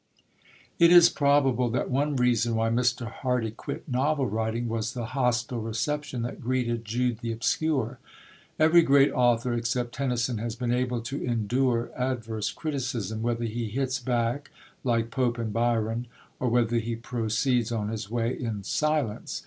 It is probable that one reason why Mr. Hardy quit novel writing was the hostile reception that greeted Jude the Obscure. Every great author, except Tennyson, has been able to endure adverse criticism, whether he hits back, like Pope and Byron, or whether he proceeds on his way in silence.